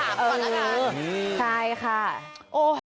โทรไปถามก่อนแล้วกัน